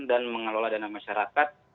dan mengelola dana masyarakat